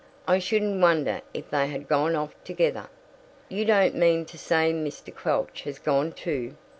I shouldn't wonder if they had gone off together." "You don't mean to say Mr. Quelch has gone too?"